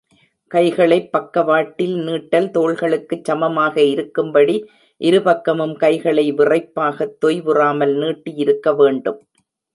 கைகளைப் பக்கவாட்டில் நீட்டல் தோள்களுக்குச் சமமாக இருக்கும்படி இருபக்கமும் கைகளை விறைப்பாகத தொய்வுறாமல் நீட்டியிருக்க வேண்டும்.